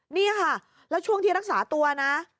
นี่ค่ะแล้วช่วงที่รักษาตัวนะ